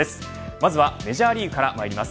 まずはメジャーリーグからまいります。